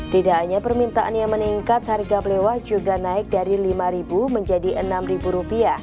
tidak hanya permintaan yang meningkat harga pelewah juga naik dari rp lima menjadi rp enam